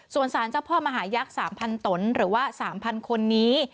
ส่วนสารเจ้าพ่อมหายักษ์๓๐๐ตนหรือว่า๓๐๐คนนี้